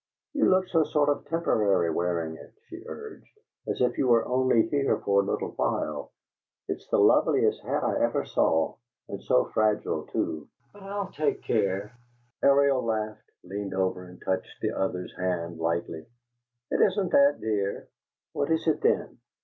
"You look so sort of temporary, wearing it," she urged, "as if you were only here for a little while. It's the loveliest hat I ever saw, and so fragile, too, but I'll take care " Ariel laughed, leaned over, and touched the other's hand lightly. "It isn't that, dear." "What is it, then?"